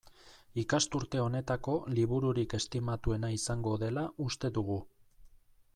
Ikasturte honetako libururik estimatuena izango dela uste dugu.